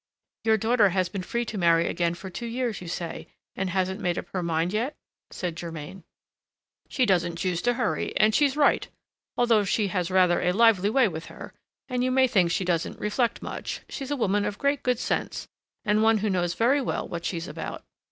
"Your daughter has been free to marry again for two years, you say, and hasn't made up her mind yet?" said Germain. "She doesn't choose to hurry, and she's right. Although she has rather a lively way with her, and you may think she doesn't reflect much, she's a woman of great good sense and one who knows very well what she's about."